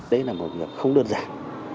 đấy là một việc không đơn giản